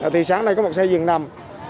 thì sáng nay có một xe dừng nằm